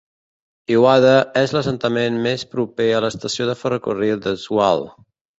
Iwade és l'assentament més proper a l'estació de ferrocarril de Swale.